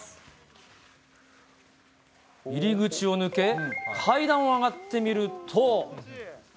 入り口を抜け、階段を上がってみると。